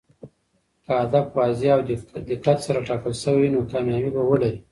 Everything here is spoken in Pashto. که هدف واضح او دقت سره ټاکل شوی وي، نو کامیابي به ولري.